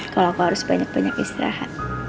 kalau aku harus banyak banyak istirahat